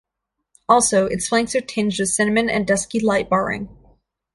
Also, its flanks are tinged with cinnamon and dusky light barring.